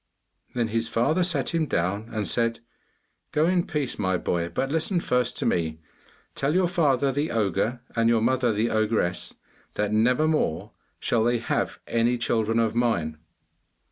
Then his father sat him down and said, 'Go in peace, my boy, but listen first to me. Tell your father the ogre and your mother the ogress, that never more shall they have any children of mine.